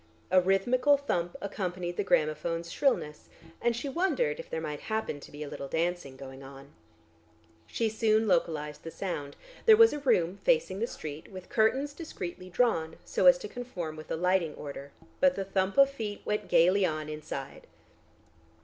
A rhythmical thump accompanied the gramophone's shrillness, and she wondered if there might happen to be a little dancing going on. She soon localised the sound; there was a room facing the street with curtains discreetly drawn, so as to conform with the lighting order, but the thump of feet went gaily on inside.